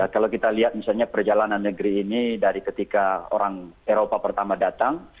kalau kita lihat misalnya perjalanan negeri ini dari ketika orang eropa pertama datang